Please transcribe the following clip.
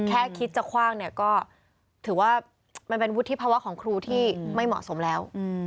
แค่คิดจะคว่างเนี่ยก็ถือว่ามันเป็นวุฒิภาวะของครูที่ไม่เหมาะสมแล้ว